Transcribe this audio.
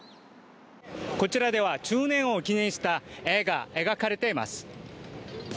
こちらでは１０年を記念した絵が描かれています。